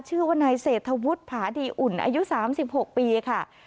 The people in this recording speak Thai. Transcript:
ชื่อว่านายเศรษฐวุฒิผาดีอุ่นอายุ๓๖ปีค่ะ